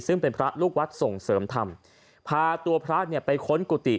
ซึ่งเป็นพระลูกวัดส่งเสริมธรรมพาตัวพระเนี่ยไปค้นกุฏิ